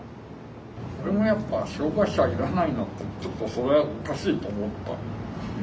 俺もやっぱ障害者はいらないのってちょっとそれはおかしいと思った。